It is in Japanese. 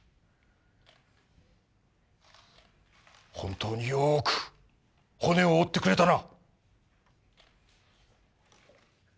本当によく骨を折ってくれたな。